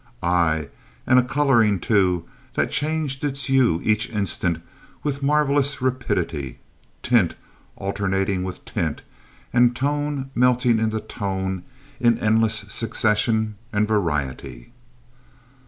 Aye, and a colouring, too, that changed its hue each instant with marvellous rapidity, tint alternating with tint, and tone melting into tone in endless succession and variety!